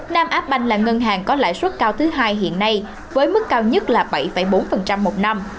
nam á banh là ngân hàng có lãi suất cao thứ hai hiện nay với mức cao nhất là bảy bốn một năm